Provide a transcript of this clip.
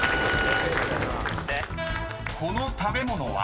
［この食べ物は？］